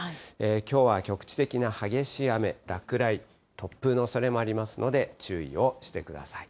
きょうは局地的な激しい雨、落雷、突風のおそれもありますので、注意をしてください。